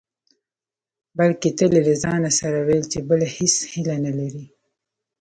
بلکې تل يې له ځانه سره ويل چې بله هېڅ هيله نه لري.